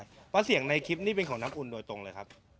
เพราะเสียงในคลิปนี้เป็นของน้ำอุ่นโดยตรงเลยครับ